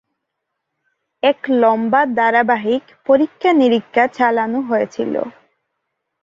এক লম্বা ধারাবাহিক পরীক্ষানিরীক্ষা চালানো হয়েছিল।